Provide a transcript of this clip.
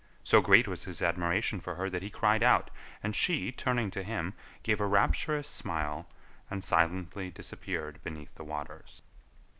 So great was his admiration for her that he cried out, and she, turning to him, gave a rapturous smile and silently disappeared beneath the waters.